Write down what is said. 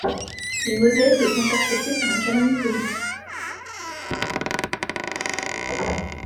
Mais Moses est intercepté par un camion de police.